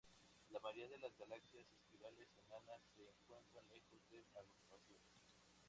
La mayoría de las galaxias espirales enanas se encuentran lejos de agrupaciones.